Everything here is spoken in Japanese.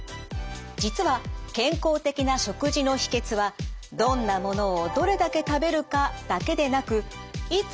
実は健康的な食事の秘けつはどんなものをどれだけ食べるかだけでなく「いつ」